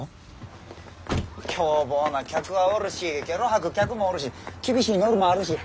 凶暴な客はおるしゲロ吐く客もおるし厳しいノルマあるし。